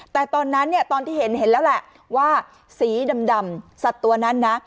แต่ตอนนั้นเนี่ยตอนที่เห็นเห็นแล้วแหละว่าสีดำสัตว์ตัวนั้นนะ